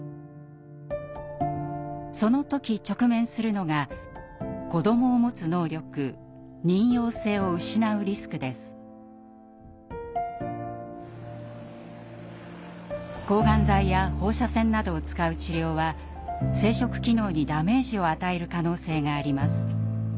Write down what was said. その時直面するのが子どもをもつ能力抗がん剤や放射線などを使う治療は生殖機能にダメージを与える可能性があります。